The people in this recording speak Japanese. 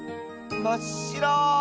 まっしろ。